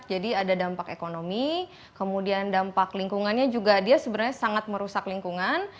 jadi ada dampak ekonomi kemudian dampak lingkungannya juga dia sebenarnya sangat merusak lingkungan